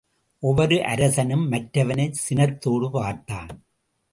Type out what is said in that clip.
ஒவ்வொரு அரசனும் மற்றவனைச் சினத்தோடு பார்த்தான்.